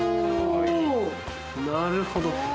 ・なるほど！